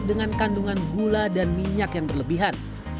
dengan kandungan gula dan minyak yang berlebihan